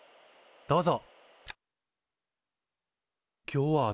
どうぞ。